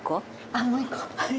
あっもう一個はい。